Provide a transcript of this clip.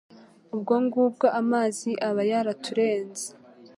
Ubwo ngubwo amazi aba yaraturenzeho